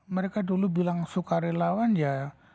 mereka dulu bilang sukarelawan ya